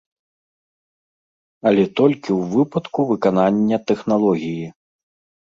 Але толькі ў выпадку выканання тэхналогіі.